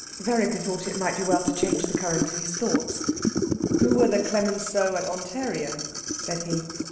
Vereker thought it might be well to change the current of his thoughts. "Who were the Clemenceaux at Ontario?" said he.